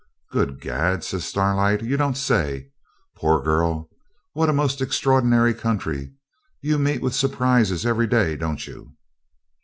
'Good gad!' says Starlight, 'you don't say so! Poor girl! What a most extraordinary country! You meet with surpwises every day, don't you?'